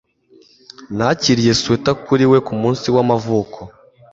Nakiriye swater kuri we kumunsi w'amavuko.